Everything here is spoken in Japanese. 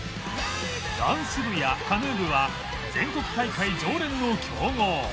ダンス部やカヌー部は全国大会常連の強豪